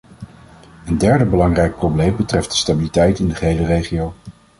Een derde belangrijk probleem betreft de stabiliteit in de gehele regio.